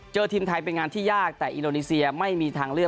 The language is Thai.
ทีมไทยเป็นงานที่ยากแต่อินโดนีเซียไม่มีทางเลือก